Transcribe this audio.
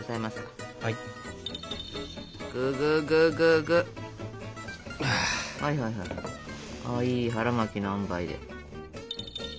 かわいい腹巻きのあんばいで。